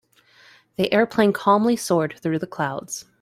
The airplane calmly soared through the clouds.